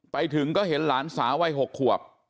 ไปถึงก็เห็นหลานสาววัย๖ขวบ